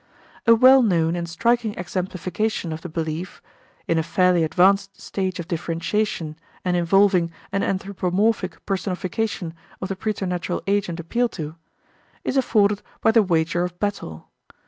A well known and striking exemplification of the belief in a fairly advanced stage of differentiation and involving an anthropomorphic personification of the preternatural agent appealed to is afforded by the wager of battle.